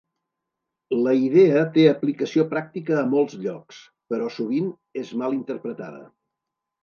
La idea té aplicació pràctica a molts llocs, però sovint és mal interpretada.